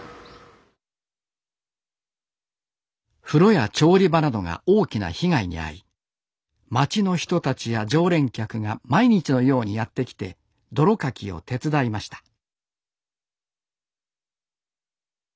風呂や調理場などが大きな被害に遭い町の人たちや常連客が毎日のようにやって来て泥かきを手伝いました